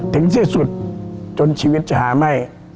ถึงที่สุดจนชีวิตจะหาไม่